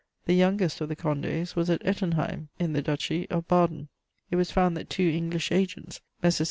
The youngest of the Condés was at Ettenheim, in the Duchy of Baden. It was found that two English agents, Messrs.